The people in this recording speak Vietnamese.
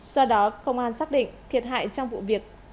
do đó công an xác định thiệt hại trong vụ việc